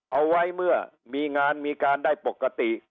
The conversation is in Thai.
เอาไว้เมื่อมีงานมีการได้ปกติ